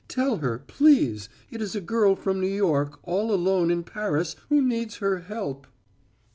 Tell her, please, it is a girl from New York all alone in Paris who needs her help."